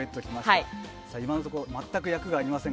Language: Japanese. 今のところ全く役がありません。